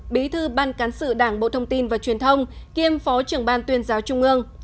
bí thư ban cán sự đảng bộ thông tin và truyền thông kiêm phó trưởng ban tuyên giáo trung ương